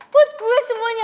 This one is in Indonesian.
buat gue semuanya